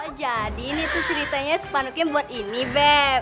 oh jadi nih tuh ceritanya sepanuknya buat ini beb